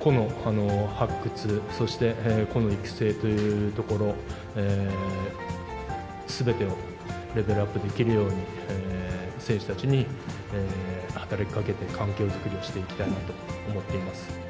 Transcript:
個の発掘、そして、個の育成というところ、すべてをレベルアップできるように、選手たちに働きかけて、環境作りをしていきたいなと思っています。